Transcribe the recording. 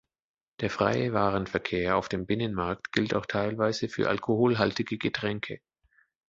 Der freie Warenverkehr auf dem Binnenmarkt gilt auch teilweise für alkoholhaltige Getränke.